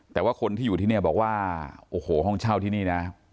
แต่ว่าคนที่อยู่ที่นี่บอกว่าโอ้โหห้องเช่าที่นี่นะ